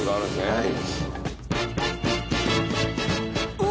はい。